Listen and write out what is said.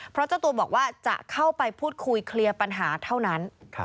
เพราะเจ้าตัวบอกว่าจะเข้าไปพูดคุยเคลียร์ปัญหาเท่านั้น